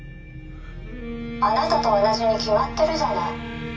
アナタと同じに決まってるじゃない。